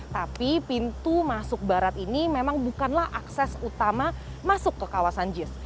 tapi pintu masuk barat ini memang bukanlah akses utama masuk ke kawasan jis